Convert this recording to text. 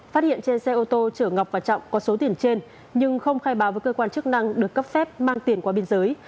phát hiện trên xe ô tô chở ngọc và trọng có số tiền trên nhưng không khai báo với cơ quan chức năng được cấp phép mang tiền qua biên giới